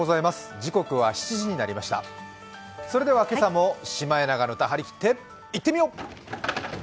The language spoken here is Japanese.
それでは今朝も「シマエナガの歌」張り切って行ってみよう。